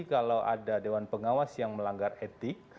kalau ada dewan pengawas yang melanggar etik